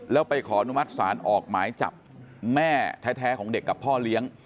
แล้วไปขอนุมัติศาลออกหมายจับแม่แท้ของเด็กกับพ่อเลี้ยง